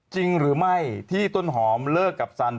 จริงหรือไม่ที่ต้นหอมเลิกกับสัน